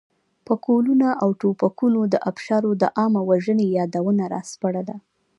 پکولونه او توپکونو د ابشارو د عامه وژنې یادونه راسپړله.